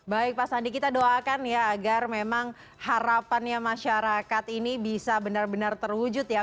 baik pak sandi kita doakan ya agar memang harapannya masyarakat ini bisa benar benar terwujud ya